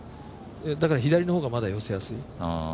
だから左の方がまだ寄せやすい。